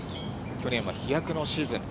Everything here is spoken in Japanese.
去年は飛躍のシーズン。